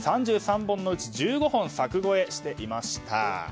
３３本のうち１５本柵越えしていました。